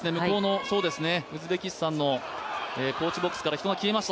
ウズベキスタンのコーチボックスから人が消えました。